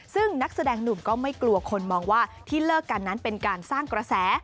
ซึ่งนักแสดงหนุ่มก็ไม่กลัวคนมองว่าที่เลิกกันนั้นเป็นการสร้างกระแส